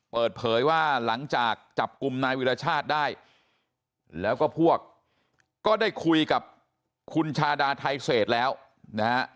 เปิดเผยว่าหลังจากจับกลุ่มนายวิรชาติได้แล้วก็พวกก็ได้คุยกับคุณชาดาไทเศษแล้วนะฮะ